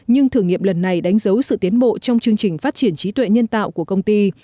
nhưng thử nghiệm lần này đánh dấu sự tiến bộ trong chương trình phát triển trí tuệ nhân tạo của công ty